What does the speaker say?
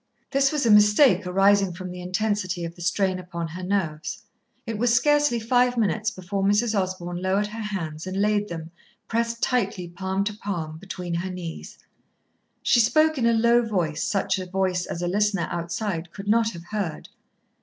This was a mistake arising from the intensity of the strain upon her nerves. It was scarcely five minutes before Mrs. Osborn lowered her hands and laid them, pressed tightly palm to palm, between her knees. She spoke in a low voice, such a voice as a listener outside could not have heard.